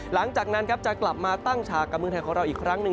หลังจากนั้นครับจะกลับมาตั้งฉากกับเมืองไทยของเราอีกครั้งหนึ่ง